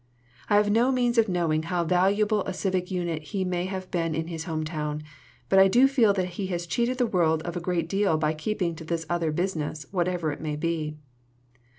I have no means of knowing how valuable a civic unit he may have been in his home town, but I do feel that he has cheated the world of a great deal by keeping to this other business, whatever it may be.